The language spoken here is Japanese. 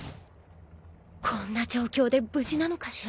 こんな状況で無事なのかしら。